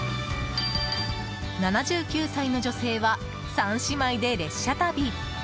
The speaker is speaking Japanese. ７９歳の女性は３姉妹で列車旅。